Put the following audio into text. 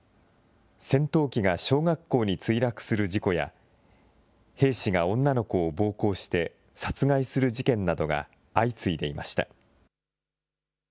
戦闘機が小学校に墜落する事故や、兵士が女の子を暴行して、殺害する事件などが相次いでいました。